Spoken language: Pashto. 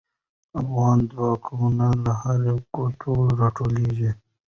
افغان ځواکونه له هر ګوټه راټولېږي.